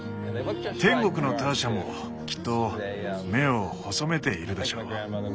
天国のターシャもきっと目を細めているでしょう。